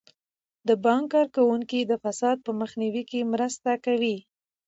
د بانک کارکوونکي د فساد په مخنیوي کې مرسته کوي.